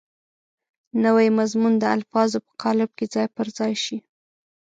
نوی مضمون د الفاظو په قالب کې ځای پر ځای شي.